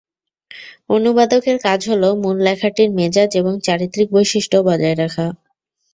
অনুবাদকের কাজ হলো মূল লেখাটির মেজাজ এবং চারিত্রিক বৈশিষ্ট্য বজায় রাখা।